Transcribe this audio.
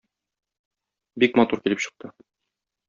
Бик матур килеп чыкты.